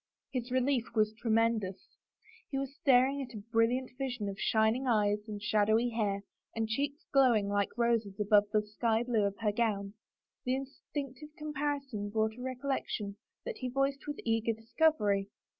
His relief was tre mendous. He was staring at a brilliant vision of shining eyes and shadowy hair and cheeks glowing like roses above the sky blue of her gown. The instinctive com parison brought a recollection that he voiced with eager discovery.